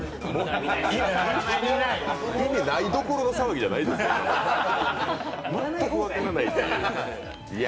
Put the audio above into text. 意味ないどころの騒ぎじゃないですよ全く分からないという。